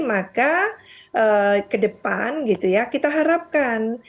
maka ke depan kita harapkan